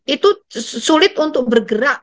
itu sulit untuk bergerak